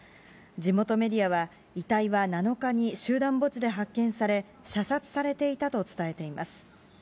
地元メディアは、遺体は７日に集団墓地で発見され、射殺されていたと伝えています。